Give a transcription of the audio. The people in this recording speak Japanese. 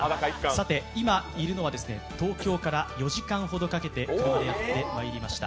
さて、今いるのは東京から４時間ほどかけて車でやってまいりました。